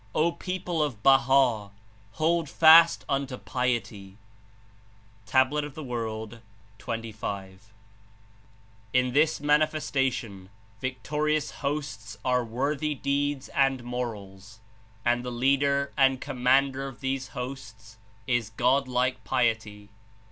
O people of Baha' ! Hold fast unto Piety!" (Tab. of JV. 25.) • *Tn this Manifestation, victorious hosts are worthy deeds and morals, and the leader and commander of these hosts is Godlike piety.